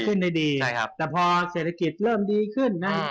ขึ้นได้ดีใช่ครับแต่พอเศรษฐกิจเริ่มดีขึ้นนะ